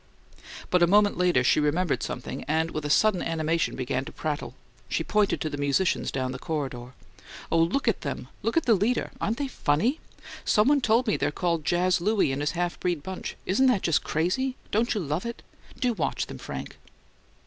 But a moment later she remembered something, and, with a sudden animation, began to prattle. She pointed to the musicians down the corridor. "Oh, look at them! Look at the leader! Aren't they FUNNY? Someone told me they're called 'Jazz Louie and his half breed bunch.' Isn't that just crazy? Don't you love it? Do watch them, Frank."